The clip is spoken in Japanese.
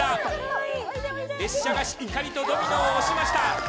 列車がしっかりとドミノを押しました。